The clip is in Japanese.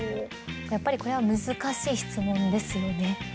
やっぱりこれは難しい質問ですよね。